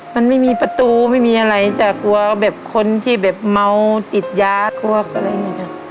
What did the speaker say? มันไม่มีประตูไม่มีอะไรจ้ะกลัวแบบคนที่แบบเมาติดยากลัวอะไรอย่างนี้จ้ะ